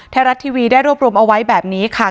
ไทยรัฐทีวีได้รวบรวมเอาไว้แบบนี้ค่ะ